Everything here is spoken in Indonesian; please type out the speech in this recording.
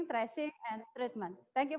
terima kasih banyak prof